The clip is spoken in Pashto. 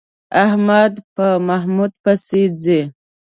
احمد په محمود پسې ځي.